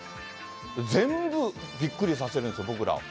全部びっくりさせるんですよ、僕らを。